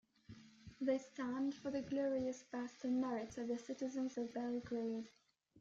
They stand for the glorious past and merits of the citizens of Belgrade.